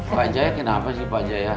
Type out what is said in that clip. pak jaya kenapa sih pak jaya